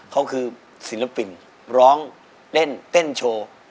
เขาคือศิลปินร้องเล่นเต้นโชว์